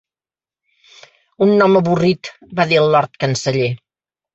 "Un nom avorrit" va dir el lord canceller.